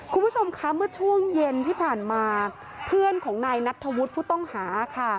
คุณผู้ชมคะเมื่อช่วงเย็นที่ผ่านมาเพื่อนของนายนัทธวุฒิผู้ต้องหาค่ะ